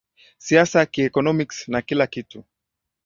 siasa kieconomics na kila kitu